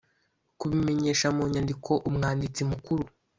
kubimenyesha mu nyandiko umwanditsi mukuru